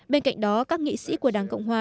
bên cạnh đó các nghị sĩ của đảng cộng hòa